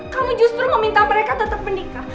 kamu justru meminta mereka tetap menikah